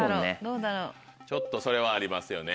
ちょっとそれはありますよね